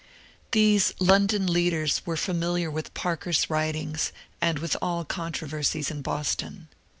These London leaders were familiar with Parker's writings and with all controversies in Boston.